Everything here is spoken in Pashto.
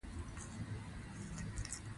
افغانستان کې د مزارشریف د پرمختګ هڅې روانې دي.